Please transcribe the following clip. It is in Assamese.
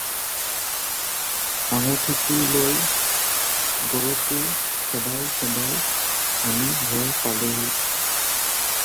আঙঠিটো লৈ গৰুটো খেদাই খেদাই আনি ঘৰ পালেহি।